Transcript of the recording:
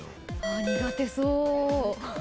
あ苦手そう。